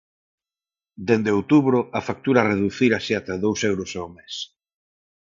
Dende outubro, a factura reducírase ata dous euros ao mes.